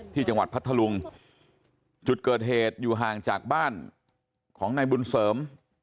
พัทธลุงจุดเกิดเหตุอยู่ห่างจากบ้านของนายบุญเสริม